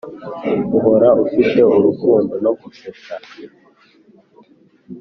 uhora ufite urukundo no gusetsa,